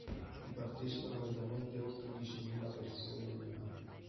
Vi partecipano mediamente oltre diecimila persone ogni anno.